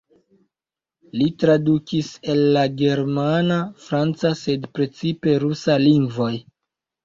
Li tradukis el la germana, franca, sed precipe rusa lingvoj.